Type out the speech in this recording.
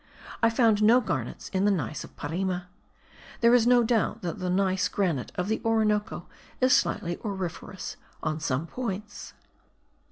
I found no garnets in the gneiss of Parime. There is no doubt that the gneiss granite of the Orinoco is slightly auriferous on some points.